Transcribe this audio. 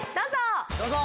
どうぞ！